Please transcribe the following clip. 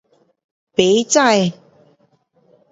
不知